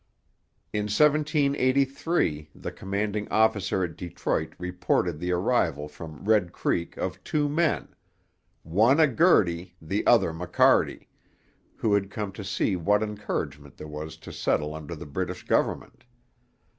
In 1783 the commanding officer at Detroit reported the arrival from Red Creek of two men, 'one a Girty, the other McCarty,' who had come to see what encouragement there was to settle under the British government.